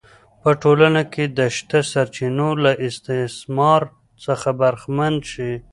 په ټولنه کې د شته سرچینو له استثمار څخه برخمن شي